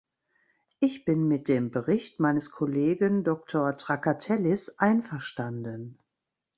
Ich bin mit dem Bericht meines Kollegen Doktor Trakatellis einverstanden.